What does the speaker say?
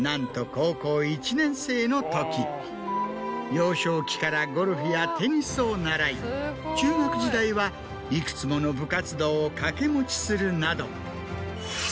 幼少期からゴルフやテニスを習い中学時代は幾つもの部活動を掛け持ちするなど。